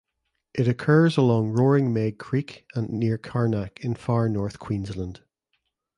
It occurs along Roaring Meg Creek and near Karnak in far north Queensland.